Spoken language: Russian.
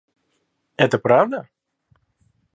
Это правда?